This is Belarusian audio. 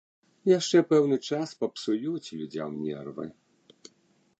Яшчэ пэўны час папсуюць людзям нервы.